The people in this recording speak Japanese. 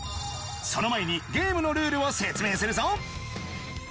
その前にゲームのルールを説明するぞ。